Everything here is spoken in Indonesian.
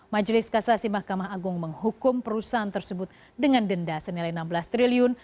majelis kasasi mahkamah agung menghukum perusahaan tersebut dengan denda senilai enam belas triliun